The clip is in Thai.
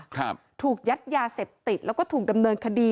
ครับถูกยัดยาเสพติดแล้วก็ถูกดำเนินคดี